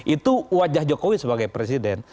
itu wajah jokowi sebagai presiden